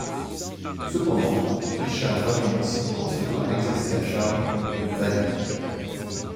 Cependant Richard d’Argences continuera à exercer la charge de bailli.